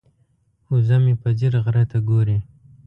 وزه مې په ځیر غره ته ګوري.